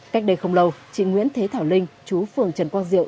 cách đây không lâu chị nguyễn thế thảo linh chú phường trần quang diệu